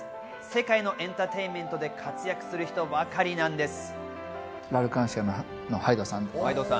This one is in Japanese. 世界のエンターテインメントで活躍する人ばかりなんです。